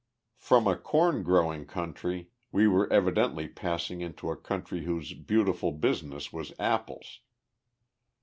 From a corn growing country, we were evidently passing into a country whose beautiful business was apples.